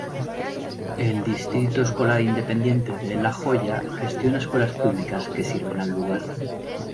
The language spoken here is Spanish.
El Distrito Escolar Independiente de La Joya gestiona escuelas públicas que sirven al lugar.